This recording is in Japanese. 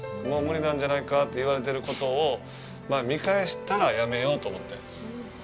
もう無理なんじゃないかって言われてることを見返したらやめようと思って。